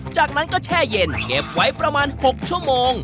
จากนั้นก็แช่เย็นเก็บไว้ประมาณ๖ชั่วโมง